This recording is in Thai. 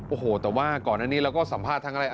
โอ้โหแต่ว่าก่อนอันนี้เราก็สัมภาษณ์ทั้งอะไร